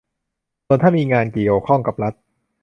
ส่วนถ้ามีงานเกี่ยวข้องกับรัฐ